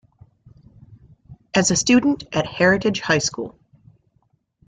As a student at Heritage High School.